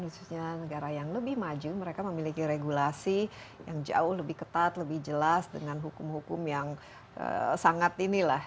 khususnya negara yang lebih maju mereka memiliki regulasi yang jauh lebih ketat lebih jelas dengan hukum hukum yang sangat inilah